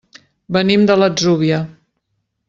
Venim de l'Atzúvia.